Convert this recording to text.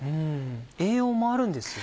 栄養もあるんですよね。